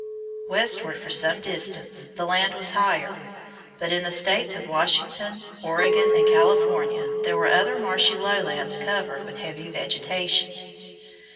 Westward for some distance the land was higher, but in the states of Washington, Oregon, and California there were other marshy lowlands covered with heavy vegetation.